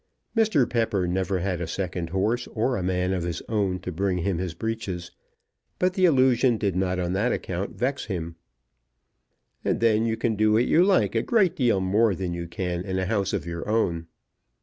Mr. Pepper never had a second horse, or a man of his own to bring him his breeches, but the allusion did not on that account vex him. "And then you can do what you like a great deal more than you can in a house of your own."